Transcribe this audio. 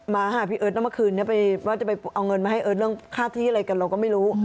มาหาพี่เอิร์ทแล้วเมื่อคืนนี้ว่าจะไปเอาเงินมาให้เอิร์ทเรื่องค่าที่อะไรกันเราก็ไม่รู้